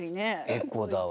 エコだわ。